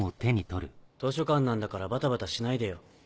図書館なんだからバタバタしないでよ。